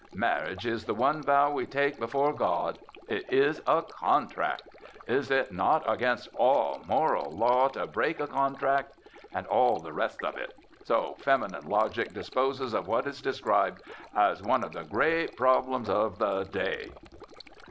Marriage is the one vow we take before God. It is a contract. Is it not against all moral law to break a contract? And all the rest of it. So feminine logic disposes of what is described as one of the great problems of the day."